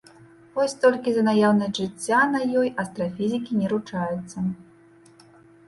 Вось толькі за наяўнасць жыцця на ёй астрафізікі не ручаюцца.